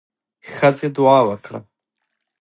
ښځه دعا وکړه.